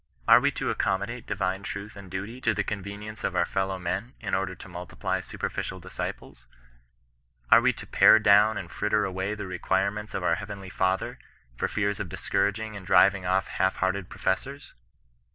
Are we to accommodate divine truth and duty to the con venience of our fellow men, in order to multiply super ficial disciples ? Are we to pare down and fritter away the requirements of our heavenly Father, for fear of discouraging and driving off half hearted professors?